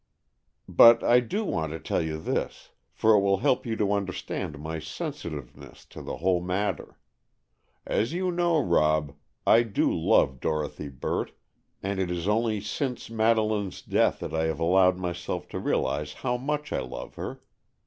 "But I do want to tell you this, for it will help you to understand my sensitiveness in the whole matter. As you know, Rob, I do love Dorothy Burt, and it is only since Madeleine's death that I have allowed myself to realize how much I love her.